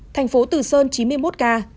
thành phố tử sơn chín mươi một ca